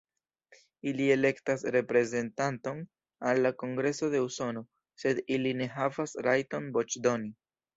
Ili elektas reprezentanton al la Kongreso de Usono, sed ili ne havas rajton voĉdoni.